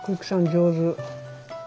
上手。